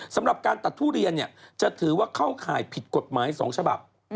สำหรับการตัดทุเรียนจะถือว่าเข้าข่ายผิดกฎหมาย๒ฉบับ